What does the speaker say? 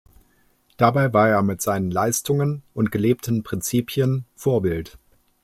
Dabei war er mit seinen Leistungen und gelebten Prinzipien Vorbild.